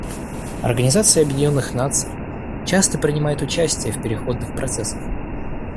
Организация Объединенных Наций часто принимает участие в переходных процессах.